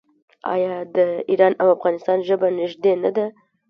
آیا د ایران او افغانستان ژبه نږدې نه ده؟